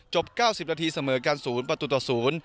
จบ๙๐นาทีเสมอกัน๐๐